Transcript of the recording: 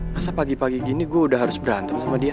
masa pagi pagi gini gue udah harus berantem sama dia